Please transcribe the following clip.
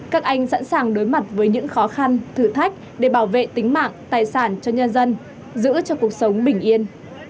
các anh sẵn sàng đối mặt với những khó khăn thử thách để bảo vệ tính mạng tài sản cho nhân dân giữ cho cuộc sống bình yên